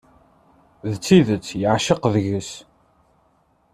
D tidet yeεceq deg-s.